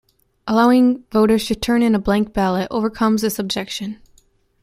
Allowing voters to turn in a blank ballot overcomes this objection.